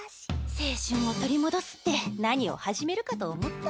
青春を取り戻すって何を始めるかと思ったら。